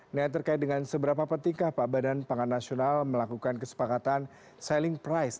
ini yang terkait dengan seberapa pentingkah pak badan pangan nasional melakukan kesepakatan selling price